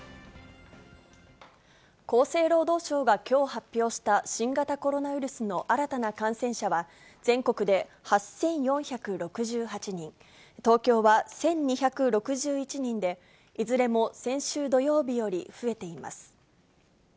厚生労働省は、きょう発表した新型コロナウイルスの新たな感染者は、全国で８４６８人、東京は１２６１人で、いずれも先週土曜日より増えています。